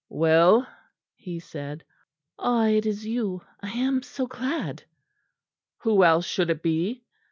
"Well!" he said. "Ah, it is you. I am so glad." "Who else should it be?"